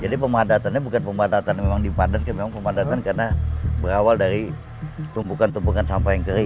jadi pemadatannya bukan pemadatannya memang dipadatkan memang pemadatannya karena berawal dari tumpukan tumpukan sampah yang kering